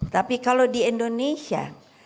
tapi kalau di indonesia